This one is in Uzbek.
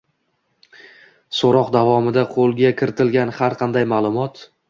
So‘roq davomida qo‘lga kiritilgan har qanday ma’lumot